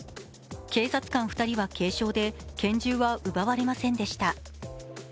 警察官２人は軽傷で拳銃は奪われませんでした。